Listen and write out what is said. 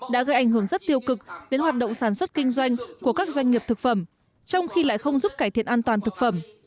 đã gây ảnh hưởng rất tiêu cực đến hoạt động sản xuất kinh doanh của các doanh nghiệp thực phẩm trong khi lại không giúp cải thiện an toàn thực phẩm